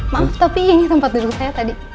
maaf tapi ini tempat duduk saya tadi